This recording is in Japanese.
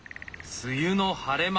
梅雨の晴れ間